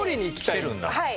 はい。